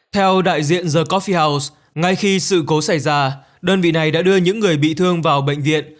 theo đại diện the coffi house ngay khi sự cố xảy ra đơn vị này đã đưa những người bị thương vào bệnh viện